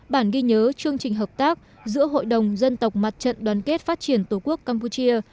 bản ghi nhớ chương trình hợp tác giữa hội đồng dân tộc mặt trận đoàn kết phát triển tổ quốc campuchia